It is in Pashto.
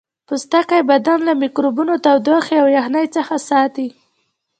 پوستکی بدن له میکروبونو تودوخې او یخنۍ څخه ساتي